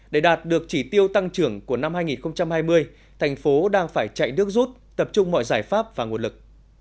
để đạt được chỉ tiêu tăng trưởng của năm hai nghìn hai mươi thành phố đang phải chạy nước rút tập trung mọi giải pháp và nguồn lực